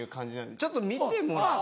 ちょっと見てもらって。